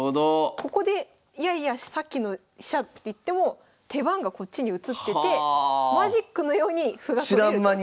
ここでいやいやさっきの飛車っていっても手番がこっちに移っててマジックのように歩が取れる。